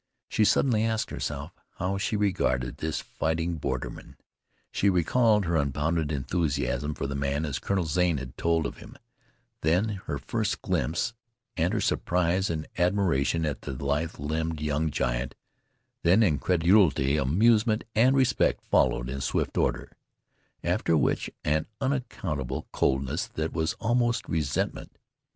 She suddenly asked herself how she regarded this fighting borderman. She recalled her unbounded enthusiasm for the man as Colonel Zane had told of him; then her first glimpse, and her surprise and admiration at the lithe limbed young giant; then incredulity, amusement, and respect followed in swift order, after which an unaccountable coldness that was almost resentment.